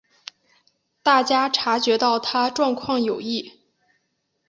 大家察觉到她状况有异